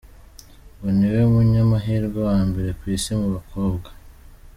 Ngo niwe munyamahirwe wa mbere ku isi mu bakobwa.